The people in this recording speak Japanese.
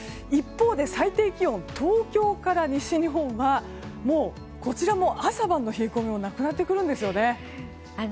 一方で、最低気温東京から西日本はもうこちらも朝晩の冷え込みはなくなってくるんですよね。